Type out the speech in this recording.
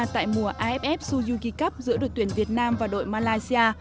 tại mùa aff suzuki cup giữa đội tuyển việt nam và đội malaysia